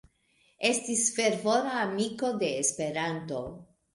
Estis fervora amiko de Esperanto.